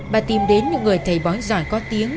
bà tìm đến những người thầy bói giỏi có tiếng